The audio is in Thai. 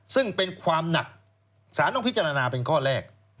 ซึ่งเป็นความหนักสารต้องพิจารณาเป็นข้อแรก